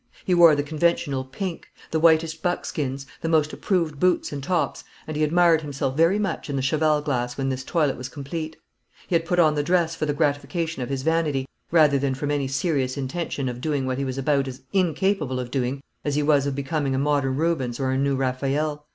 He wore the conventional "pink," the whitest buckskins, the most approved boots and tops; and he admired himself very much in the cheval glass when this toilet was complete. He had put on the dress for the gratification of his vanity, rather than from any serious intention of doing what he was about as incapable of doing, as he was of becoming a modern Rubens or a new Raphael.